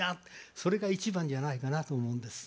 それが一番じゃないかなと思うんです。